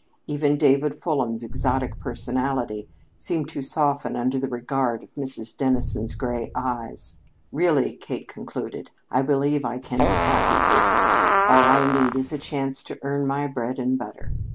Even David Fulham's exotic personality seemed to soften under the regard of Mrs. Dennison's gray eyes. "Really," Kate concluded, "I believe I can be happy here. All I need is a chance to earn my bread and butter."